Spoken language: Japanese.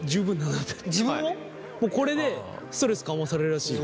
これでストレス緩和されるらしい。